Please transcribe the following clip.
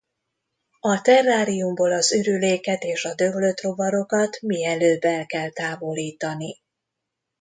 A terráriumból az ürüléket és a döglött rovarokat mielőbb el kell távolítani.